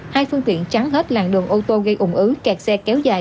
hai phương tiện trắng hết làng đường ô tô gây ủng ứ kẹt xe kéo dài